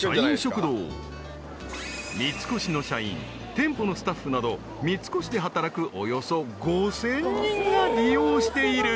［三越の社員店舗のスタッフなど三越で働くおよそ５，０００人が利用している］